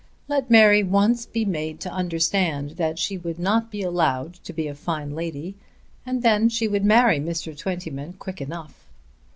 Let Mary once be made to understand that she would not be allowed to be a fine lady, and then she would marry Mr. Twentyman quick enough.